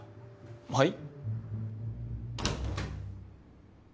はい？